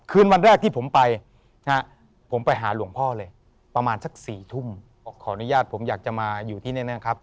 คืนวันแรกที่ผมไปผมไปหาหลวงพ่อเลยประมาณสัก๔ทุ่มขออนุญาตผมอยากจะมาอยู่ที่แน่ครับ